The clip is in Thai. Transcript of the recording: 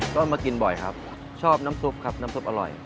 ก็มากินบ่อยครับชอบน้ำซุปครับน้ำซุปอร่อย